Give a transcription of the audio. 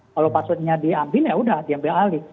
kalau passwordnya diambil ya udah diambil alih